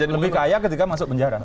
lebih kaya ketika masuk penjara